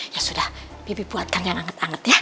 ya sudah bibi buatkan yang anget anget ya